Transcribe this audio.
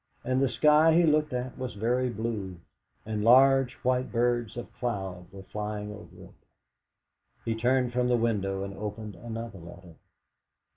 And the sky he looked at was very blue, and large white birds of cloud were flying over it. He turned from the window, and opened another letter.